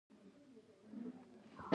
سلامونه